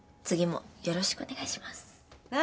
次もよろしくお願いします。